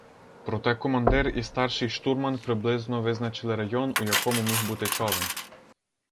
Проте командир і старший штурман приблизно визначили район, у якому міг бути човен.